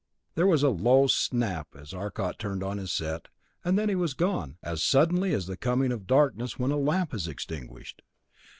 There was a low snap as Arcot turned on his set, then he was gone, as suddenly as the coming of darkness when a lamp is extinguished.